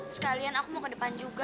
sekalian aku mau ke depan juga